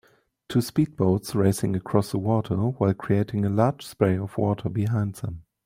Two speed boats racing across the water while creating a large spray of water behind them